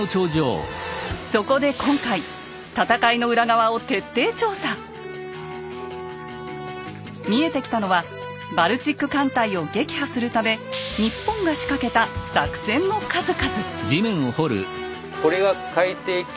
そこで今回見えてきたのはバルチック艦隊を撃破するため日本が仕掛けた作戦の数々。